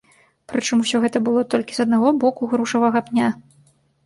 Прычым усё гэта было толькі з аднаго боку грушавага пня.